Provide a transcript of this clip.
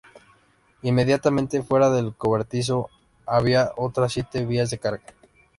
Inmediatamente fuera del cobertizo había otras siete vías de carga.